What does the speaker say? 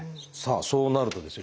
そうなるとですよ